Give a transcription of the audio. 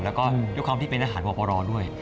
แล้วก็ด้วยความที่เป็นทหารวอปรด้วย